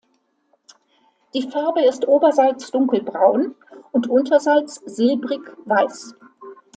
Die Farbe ist oberseits dunkelbraun und unterseits silbrig weiß.